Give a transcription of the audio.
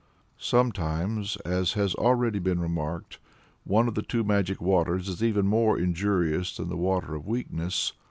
" Sometimes, as has already been remarked, one of the two magic waters is even more injurious than the Water of Weakness.